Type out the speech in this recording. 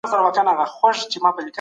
څوک د خیریه بنسټونو د کارونو څارنه کوي؟